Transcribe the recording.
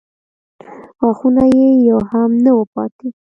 غاښونه یې يو هم نه و پاتې.